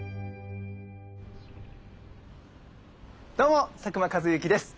どうも佐久間一行です。